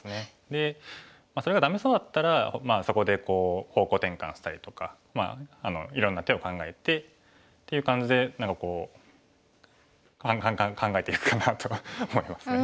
でそれがダメそうだったらそこで方向転換したりとかまあいろんな手を考えてっていう感じで何かこう考えていくかなと思いますね。